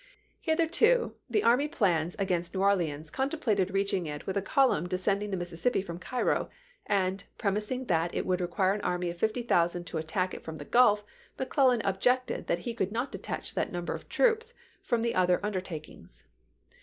Hitherto, the army plans against New Or " leans contemplated reaching it with a column de scending the Mississippi from Cairo, and, premising that it would require an army of 50,000 to attack it from the Grulf, McClellan objected that he could not detach that number of troops from other under takings.